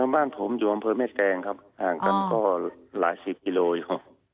บ้านผมอยู่บ้านพื้นเม็ดแกงครับห่างกันก็หลายสิบกิโลอยู่